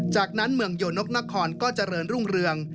จากนั้นเมืองโยนกนครก็เจริญรุ่งเรือง